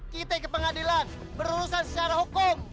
kita ke pengadilan berurusan secara hukum